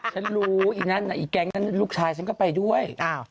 ฉันรู้อีนั้นอีกแก๊งนั้นลูกชายฉันก็ไปด้วย